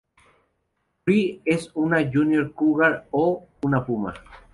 Bree es una "Junior Cougar" o una "Puma".